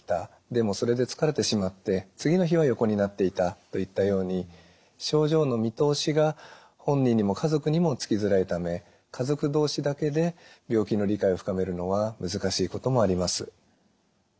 でもそれで疲れてしまって次の日は横になっていたといったように症状の見通しが本人にも家族にもつきづらいため家族同士だけで病気の理解を深めるのは難しいこともあります。